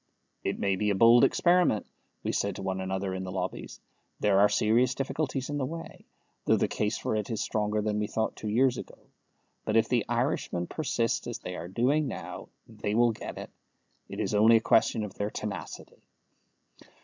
"It may be a bold experiment," we said to one another in the lobbies; "there are serious difficulties in the way, though the case for it is stronger than we thought two years ago. But if the Irishmen persist as they are doing now, they will get it. It is only a question of their tenacity."